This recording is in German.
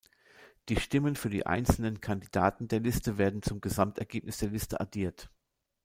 Die Stimmen für die einzelnen Kandidaten der Liste werden zum Gesamtergebnis der Liste addiert.